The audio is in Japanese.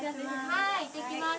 はい「行ってきます」。